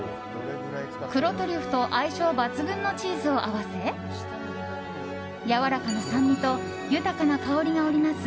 黒トリュフと相性抜群のチーズを合わせやわらかな酸味と豊かな香りが織りなす